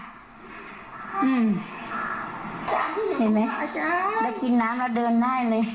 อื้มดูอย่างนี้ค่ะ